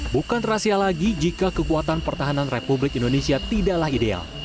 bukan rahasia lagi jika kekuatan pertahanan republik indonesia tidaklah ideal